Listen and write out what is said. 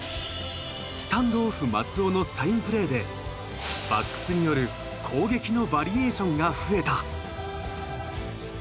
スタンドオフ松尾のサインプレーでバックスによる攻撃のバリエーションが増えた。